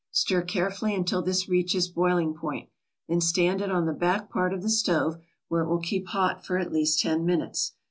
Stir carefully until this reaches boiling point, then stand it on the back part of the stove where it will keep hot for at least ten minutes.